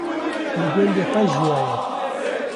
li gundê xwe jiyaye